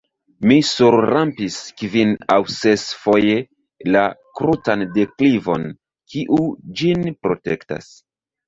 Mi surrampis kvin- aŭ ses-foje la krutan deklivon, kiu ĝin protektas.